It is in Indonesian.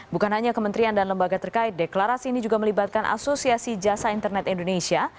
bukan hanya kementerian dan lembaga terkait deklarasi ini juga melibatkan asosiasi jasa internet indonesia